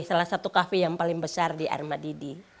salah satu kafe yang paling besar di armadidi